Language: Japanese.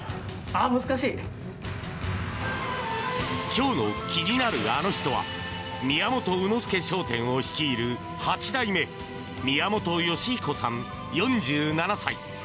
今日の気になるアノ人は宮本卯之助商店を率いる８代目宮本芳彦さん、４７歳。